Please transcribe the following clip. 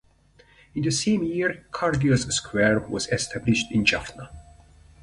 In the same year Cargills Square was established in Jaffna.